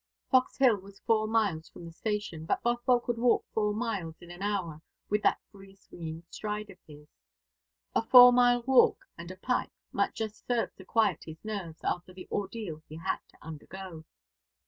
Fox Hill was four miles from the station, but Bothwell could walk four miles in an hour with that free swinging stride of his. A four mile walk and a pipe might just serve to quiet his nerves after the ordeal he had to undergo.